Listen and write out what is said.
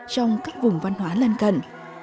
trong các vùng văn hóa lân cận